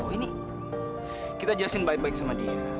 ini kita jelasin baik baik sama dina